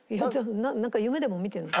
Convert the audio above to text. なんか夢でも見てるの？